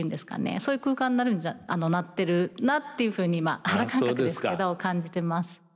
そういう空間になってるなっていうふうにまあ肌感覚ですけど感じてます。